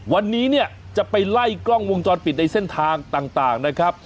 วันนี้เนี่ยจะไปไล่กล้องวงจรปิดในเส้นทางต่างนะครับ